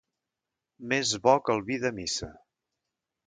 Més bo que el vi de missa.